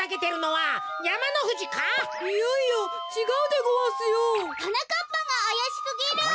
はなかっぱがあやしすぎる！